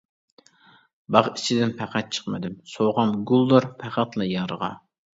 باغ ئىچىدىن پەقەت چىقمىدىم، سوۋغام گۈلدۇر پەقەتلا يارغا.